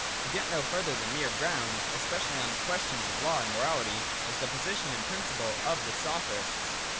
To get no further than mere grounds, especially on ques tions of law and morality, is the position and principle of the Sophists.